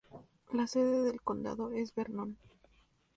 La sede del condado es Vernon.